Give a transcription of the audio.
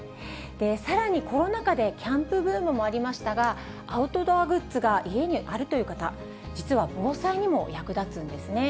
さらにコロナ禍でキャンプブームもありましたが、アウトドアグッズが家にあるという方、実は防災にも役立つんですね。